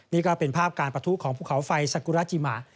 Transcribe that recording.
นี่ก็เป็นภาพการประทุของภูเขาไฟสกุราจิมะ